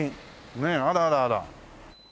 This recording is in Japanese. ねえあらあらあら。